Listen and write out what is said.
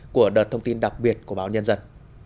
của đợt thông tin đặc biệt của báo nhân dân